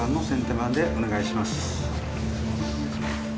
番でお願いします。